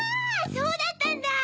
そうだったんだ。